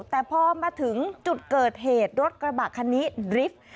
แต่พอมาถึงจุดเกิดเหตุรถกระบะคันนี้ดริฟท์